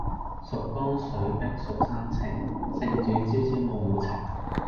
蜀江水碧蜀山青，聖主朝朝暮暮情。